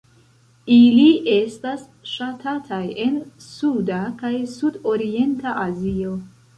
Ili estas ŝatataj en suda kaj sudorienta Azio.